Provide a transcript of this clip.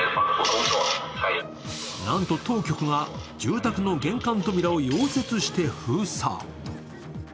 なんと当局が住宅の玄関扉を溶接して封鎖。